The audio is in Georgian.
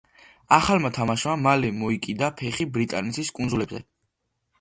ახალმა თამაშმა მალე მოიკიდა ფეხი ბრიტანეთის კუნძულებზე.